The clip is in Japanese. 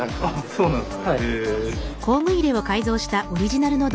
そうなんです。